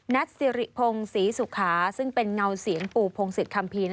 สิริพงศรีสุขาซึ่งเป็นเงาเสียงปู่พงศิษยคัมภีร์